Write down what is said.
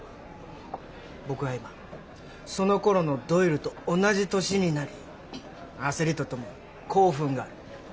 僕は今その頃のドイルと同じ年になり焦りとともに興奮がある。